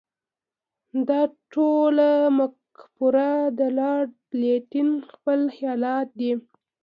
دا ټوله مفکوره د لارډ لیټن خپل خیالات دي.